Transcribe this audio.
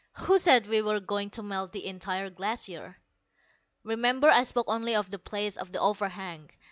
"Who said we were going to melt the entire glacier? Remember I spoke only of the place of the overhang.